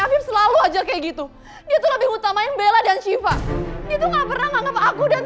afif selalu aja kayak gitu dia tuh lebih utamain bella dan siva dia tuh gak pernah nganggep aku dan